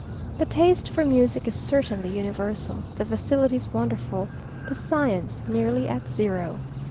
The taste for music is certainly universal, the facilities wonderful, the science nearly at zero.